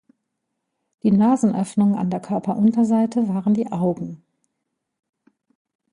Die Nasenöffnungen an der Körperunterseite waren die Augen.